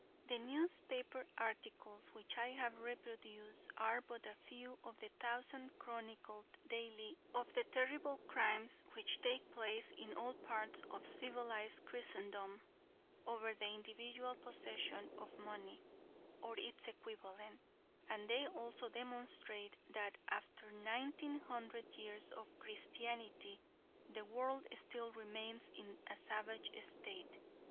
The newspaper articles, which I have reproduced, are but a few of the thousands chronicled daily of the terrible crimes which take place in all parts of civilized Christendom over the individual possession of money, or its equivalent, and they also demonstrate that after nineteen hundred years of Christianity the world still remains in a savage state.